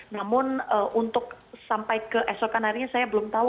namun untuk sampai ke esokan harinya saya belum tahu